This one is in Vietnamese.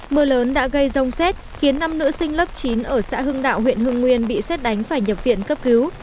mưa lớn đã gây rông xét khiến năm nữ sinh lớp chín ở xã hưng đạo huyện hưng nguyên bị xét đánh phải nhập viện cấp cứu